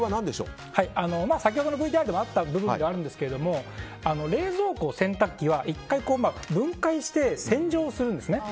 先ほどのＶＴＲでもあった部分ではあるんですけども冷蔵庫、洗濯機は１回分解して洗浄するんですね。